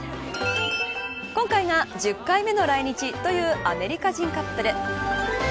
今回が１０回目の来日というアメリカ人カップル。